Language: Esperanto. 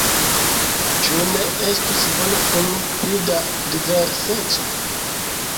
Ĉu ne estus bone kun pli da diverseco?